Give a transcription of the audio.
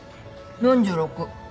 ４６。